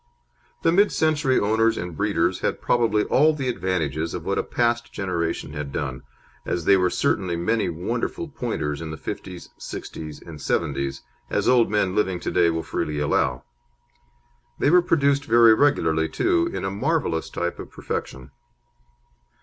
The mid century owners and breeders had probably all the advantages of what a past generation had done, as there were certainly many wonderful Pointers in the 'fifties, 'sixties, and 'seventies, as old men living to day will freely allow. They were produced very regularly, too, in a marvellous type of perfection.